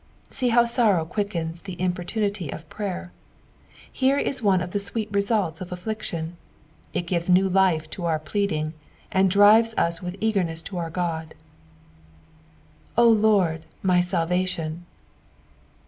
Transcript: See bow sorrow quickens the importunity of prayer 1 Here ia one of the ■weet reeulti) of affliction, it gives new life to our pleiuling, and drives ua with e^emeas to our Qod. " O Jy>rd iny talvatitm."